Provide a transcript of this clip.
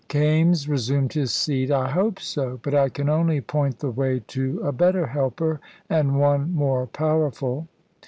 Kaimes resumed his seat. "I hope so; but I can only point the way to a better Helper, and One more powerful."